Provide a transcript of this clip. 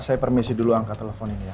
saya permisi dulu angkat telpon ini ya